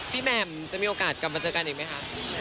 แหม่มจะมีโอกาสกลับมาเจอกันอีกไหมคะ